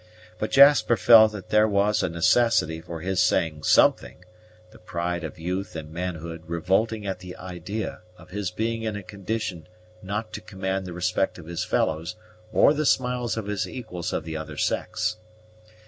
But Jasper felt that there was a necessity for his saying something, the pride of youth and manhood revolting at the idea of his being in a condition not to command the respect of his fellows or the smiles of his equals of the other sex.